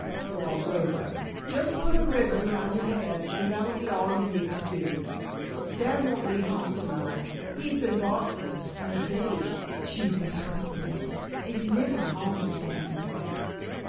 drawled Rosa. "Just put a ribbon around your head and that'll be all you need to do. Dad won't be home tonight he's in Boston, and Betty" (she whispered this) "is never home when Dad's away.